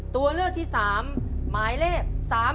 ตัวเลือกที่๓หมายเลข๓๓